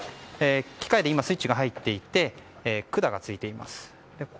機械で、スイッチが入っていて管がついています。